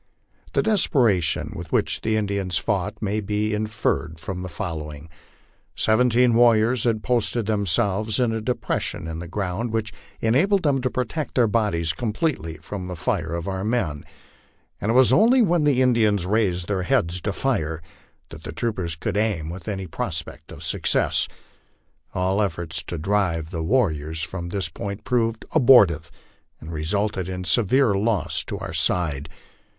The desperation with which the Indians fought may be inferred from the following: Seventeen warriors had posted themselves in a depression in the ground, which enabled them to protect their bodies completely from the fire of our men, and it was only when the Indians raised their heads to fire that the troopers could aim with any prospect of success. All efforts to drive the warriors from this point proved abortive, and resulted in severe loss to our side.